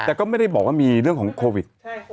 แต่ก็ไม่ได้บอกว่ามีเรื่องของโควิด